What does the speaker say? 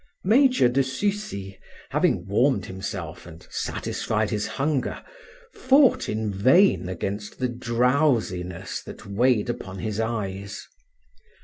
Major de Sucy having warmed himself and satisfied his hunger, fought in vain against the drowsiness that weighed upon his eyes.